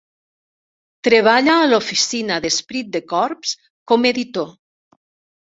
Treballa a l'oficina d'"Esprit de Corps" com editor.